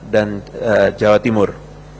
dan jawa timur